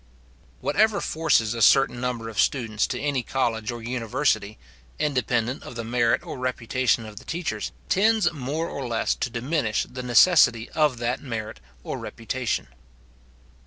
Whatever forces a certain number of students to any college or university, independent of the merit or reputation of the teachers, tends more or less to diminish the necessity of that merit or reputation.